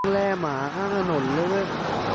แร่หมาอ้างอ่านนท์ละเว้ย